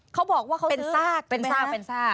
เขาบอกว่าเขาซื้อเป็นซากใช่ไหมครับเออ